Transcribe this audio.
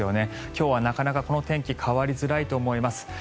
今日はなかなかこの天気変わりづらいと思います。